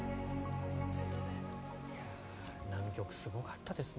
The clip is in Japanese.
南極、すごかったですね。